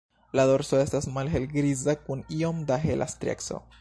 La dorso estas malhelgriza kun iom da hela strieco.